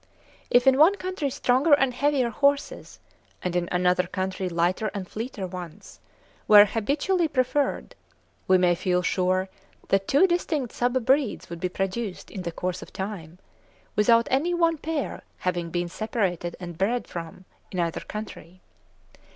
If in one country stronger and heavier horses, and in another country lighter and fleeter ones, were habitually preferred, we may feel sure that two distinct sub breeds would be produced in the course of time, without any one pair having been separated and bred from, in either country.